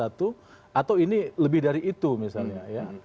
atau ini lebih dari itu misalnya ya